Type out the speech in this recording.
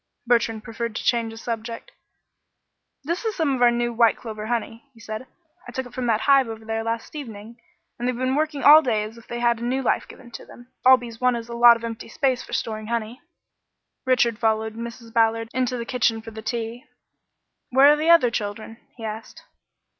Bertrand preferred to change the subject. "This is some of our new white clover honey," he said. "I took it from that hive over there last evening, and they've been working all day as if they had had new life given them. All bees want is a lot of empty space for storing honey." Richard followed Mrs. Ballard into the kitchen for the tea. "Where are the other children?" he asked.